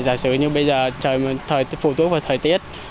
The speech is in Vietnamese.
giả sử như bây giờ trời phụ thuộc vào thời tiết